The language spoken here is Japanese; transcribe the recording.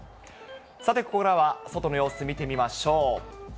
さてここからは外の様子、見てみましょう。